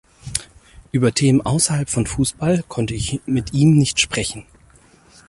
Über Themen außerhalb von Fußball konnte ich mit ihm nicht sprechen.